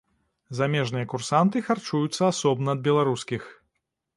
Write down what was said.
Замежныя курсанты харчуюцца асобна ад беларускіх.